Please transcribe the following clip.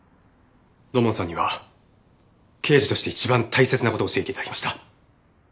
土門さんには刑事として一番大切な事を教えて頂きました。